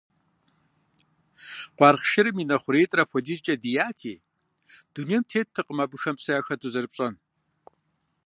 Къуаргъ шырым и нэ хъуреитӀыр апхуэдизкӀэ дияти, дунейм теттэкъым абыхэм псэ яхэту зэрыпщӀэн.